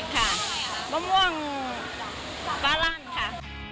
ค่ะมะม่วงฟ้ารั่นค่ะ